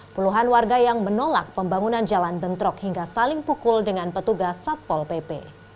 puluhan warga yang menolak pembangunan jalan bentrok hingga saling pukul dengan petugas satpol pp